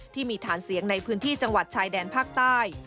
ที่มีฐานเสียงในพื้นที่จังหวัดชายแดนภาคใต้